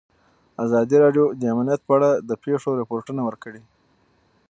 ازادي راډیو د امنیت په اړه د پېښو رپوټونه ورکړي.